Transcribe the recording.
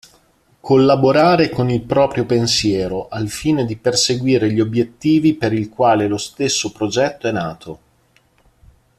Collaborare con il proprio pensiero al fine di perseguire gli obbiettivi per il quale lo stesso progetto è nato.